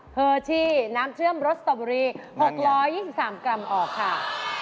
เฮอร์ชี่น้ำเชื่อมรสตะบุรี๖๒๓กรัมออกค่ะมันไง